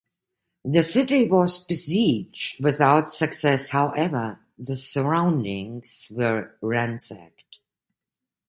The City was besieged without success; however, the surroundings were ransacked.